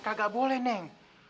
kagak boleh neng